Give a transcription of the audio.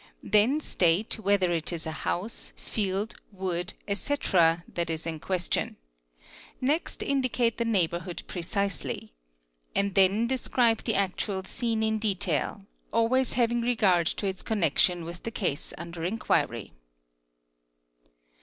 'Then state whether it is a house, field, wood, etc., that is in lestion ; next indicate the neighbourhood precisely; and then describe he actual scene in detail, always having regard to its connection with the Se under inquiry.